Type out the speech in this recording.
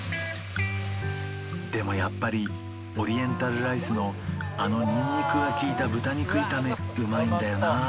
でもやっぱりオリエンタルライスのあのニンニクが利いた豚肉炒めうまいんだよな